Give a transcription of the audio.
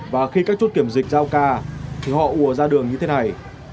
và khi các chút kiểm dịch giao ca thì họ ủa ra đường như thế này